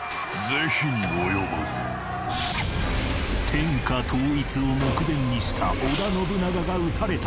天下統一を目前にした織田信長が討たれた